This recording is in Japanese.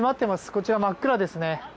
こちら、真っ暗ですね。